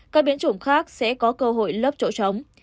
các biến chủng khác sẽ có cơ hội lớp chỗ trống